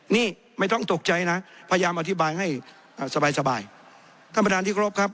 นี่ไม่ต้องตกใจนะพยายามอธิบายให้สบายสบายท่านประธานที่ครบครับ